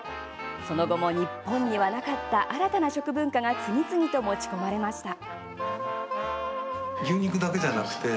その後も日本にはなかった新たな食文化が次々と持ち込まれました。